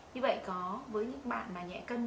như vậy có với những bạn mà nhẹ cân